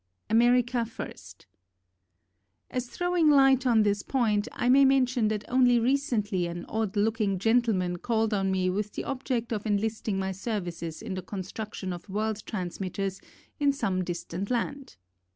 America First. As throwing light on this point, I may mention that only recently an odd looking gentleman called on me with the object of enlisting my services in the construction of world transmitters in some distant land.